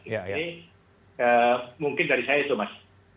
ini mungkin dari saya itu mas